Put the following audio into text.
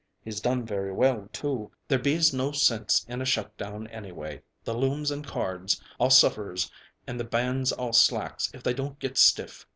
He's done very well, too. There bees no sinse in a shut down anny way, the looms and cards all suffers and the bands all slacks if they don't get stiff.